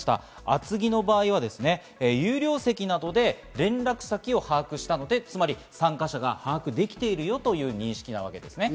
厚木の場合は有料席などで連絡先を把握したので、つまり参加者が把握できているよという認識なわけですね。